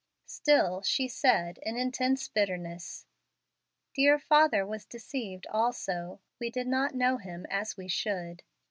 Still, she said, in intense bitterness, "Dear father was deceived also. We did not know him as we should."